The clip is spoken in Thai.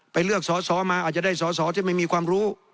เลือกสอสอมาอาจจะได้สอสอที่ไม่มีความรู้